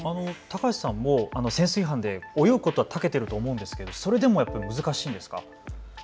高橋さんも潜水班で泳ぐことはたけてると思うんですけどそれでもやっぱり難しいんですか。